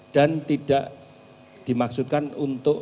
dan tidak dimaksudkan untuk